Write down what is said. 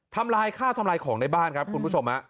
ทำลายข้าวทำลายของในบ้านครับคุณผู้ชม